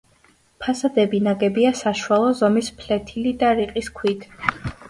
ფასადები ნაგებია საშუალო ზომის, ფლეთილი და რიყის ქვით.